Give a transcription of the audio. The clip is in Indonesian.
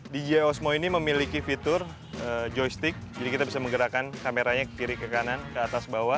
dj osmo ini memiliki fitur joystick jadi kita bisa menggerakkan kameranya ke kiri ke kanan ke atas bawah